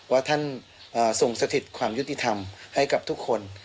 ว่าท่านส่งสถิตความยุติธรรมให้กับทุกคน